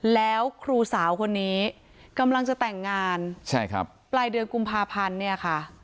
แล้วครูสาวคนนี้กำลังจะแต่งงานใช่ครับปลายเดือนกุมภาพันธ์เนี่ยค่ะ